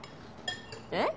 えっ？